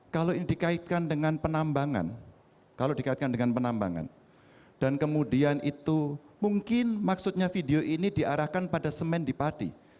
kalau ini dikaitkan dengan penambangan dan kemudian itu mungkin maksudnya video ini diarahkan pada semen di pati